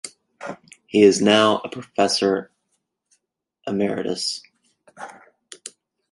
He is now a professor emeritus.